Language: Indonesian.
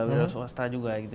wirausaha juga gitu